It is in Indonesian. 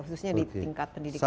khususnya di tingkat pendidikan